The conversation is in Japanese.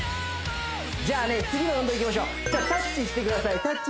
じゃあね次の運動いきましょうじゃあタッチしてください